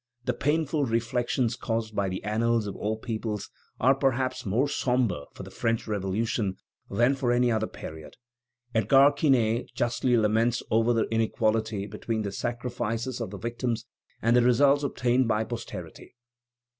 The painful reflections caused by the annals of all peoples are perhaps more sombre for the French Revolution than for any other period. Edgar Quinet justly laments over the inequality between the sacrifices of the victims and the results obtained by posterity.